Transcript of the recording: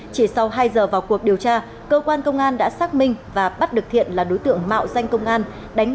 chỉ sau hai giờ vào cuộc điều tra cơ quan công an đã xác minh và bắt được thiện là đối tượng mạo danh công an